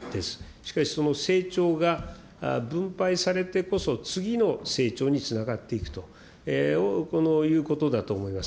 しかしその成長が分配されてこそ、次の成長につながっていくということだと思います。